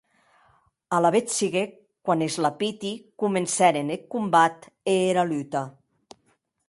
Alavetz siguec quan es lapiti comencèren eth combat e era luta.